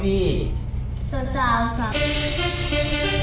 สุดท้ายครับ